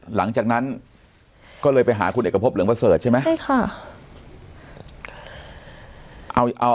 หลังจากนั้นก็เลยไปหาคุณเอกพบเหลืองวะเสิร์ฯใช่ไหม